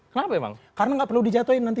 kenapa emang karena nggak perlu dijatuhin nanti